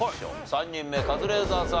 ３人目カズレーザーさん